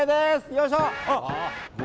よいしょ！